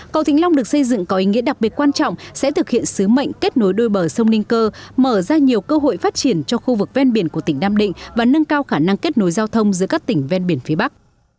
cầu thịnh long được xây dựng có ý nghĩa đặc biệt quan trọng sẽ thực hiện sứ mệnh kết nối đôi bờ sông ninh cơ mở ra nhiều cơ hội phát triển cho khu vực ven biển của tỉnh nam định và nâng cao khả năng kết nối giao thông giữa các tỉnh ven biển phía bắc